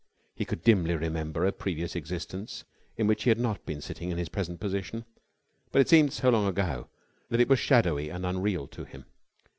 He could dimly remember a previous existence in which he had not been sitting in his present position, but it seemed so long ago that it was shadowy and unreal to him.